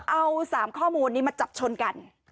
เอา๓ข้อมูลนี้มาจับชนกัน